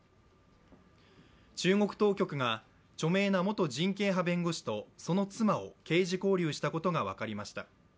中国当局が著名な元人権派弁護士とその妻を刑事拘留したことが分かりました。